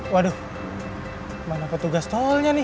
waduh mana petugas tolnya nih